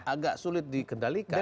agak sulit dikendalikan